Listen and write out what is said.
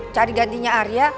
cari gantinya arya